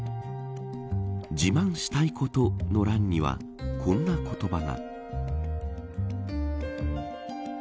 自慢したいことの欄にはこんな言葉が。